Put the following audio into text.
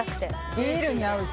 ビールに合うし。